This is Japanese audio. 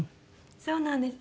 そうなんです